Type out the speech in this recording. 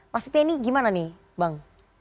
maksudnya ini gimana nih bang